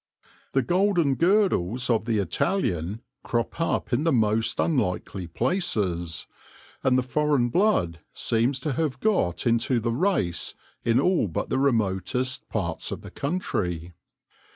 The golden girdles of the Italian crop up in the most unlikely places, and the foreign blood seems to have got into the race in all but the remotest parts of the country.